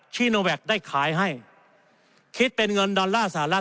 ีโนแวคได้ขายให้คิดเป็นเงินดอลลาร์สหรัฐ